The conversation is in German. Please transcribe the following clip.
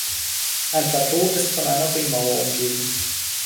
Ein Plateau ist von einer Ringmauer umgeben.